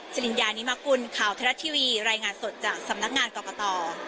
สิริญญานิมกุลข่าวไทยรัฐทีวีรายงานสดจากสำนักงานกรกต